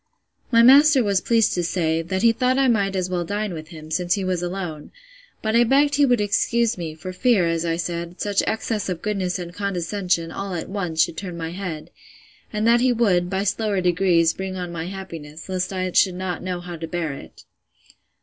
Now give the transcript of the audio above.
My master was pleased to say, that he thought I might as well dine with him, since he was alone: But I begged he would excuse me, for fear, as I said, such excess of goodness and condescension, all at once, should turn my head;—and that he would, by slower degrees, bring on my happiness, lest I should not know how to bear it.